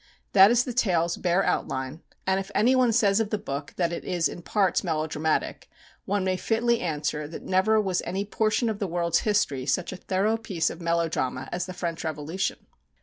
That is the tale's bare outline; and if any one says of the book that it is in parts melodramatic, one may fitly answer that never was any portion of the world's history such a thorough piece of melodrama as the French Revolution.